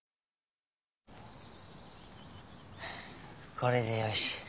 これでよし。